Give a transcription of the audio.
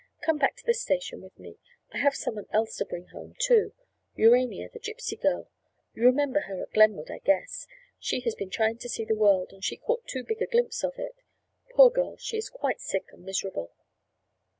Come back to the station with me. I have some one else to bring home, too. Urania, the Gypsy girl—you remember her at Glenwood, I guess—she has been trying to see the world and she caught too big a glimpse of it. Poor girl, she is quite sick and miserable."